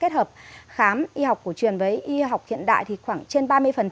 kết hợp khám y học cổ truyền với y học hiện đại thì khoảng trên ba mươi